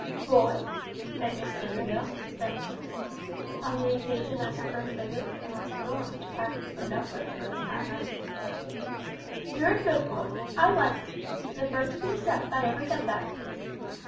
"Boy," said Miss Stivergill in stern tones, on the occasion of her first visit to the hospital in which Pax was laid up for a short time after his adventure, "you're a good boy. I like you. The first of your sex I ever said that to."